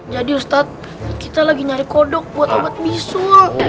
jadi ustadz kita lagi nyari kodok buat obat bisul